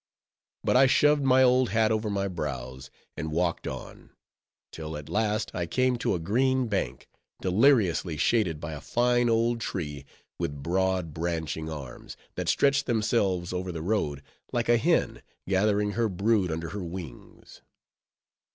But I shoved my old hat over my brows, and walked on; till at last I came to a green bank, deliriously shaded by a fine old tree with broad branching arms, that stretched themselves over the road, like a hen gathering her brood under her wings.